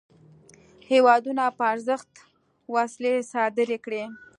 هیوادونو په ارزښت وسلې صادري کړې.